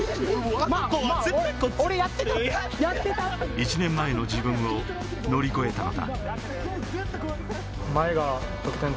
１年前の自分を乗り越えたのだ。